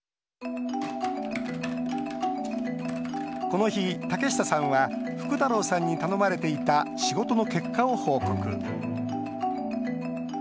この日、竹下さんは福太郎さんに頼まれていた仕事の結果を報告。